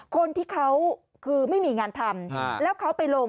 คนที่เขาคือไม่มีงานทำแล้วเขาไปลง